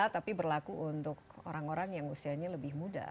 tapi berlaku untuk orang orang yang usianya lebih muda